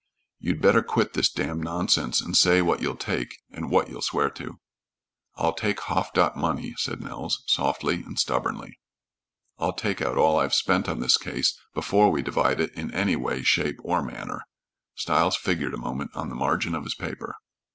"You'd better quit this damned nonsense and say what you'll take and what you'll swear to." "I'll take half dot money," said Nels, softly and stubbornly. "I'll take out all I've spent on this case before we divide it in any way, shape, or manner." Stiles figured a moment on the margin of his paper.